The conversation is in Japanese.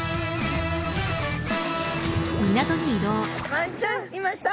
マアジちゃんいました！